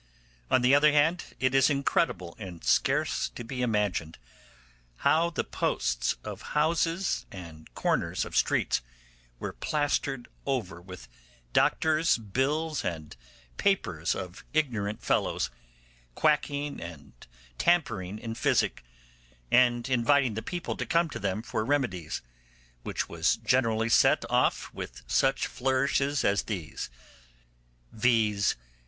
On the other hand it is incredible and scarce to be imagined, how the posts of houses and corners of streets were plastered over with doctors' bills and papers of ignorant fellows, quacking and tampering in physic, and inviting the people to come to them for remedies, which was generally set off with such flourishes as these, viz.